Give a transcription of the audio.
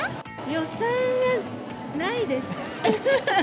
予算はないです。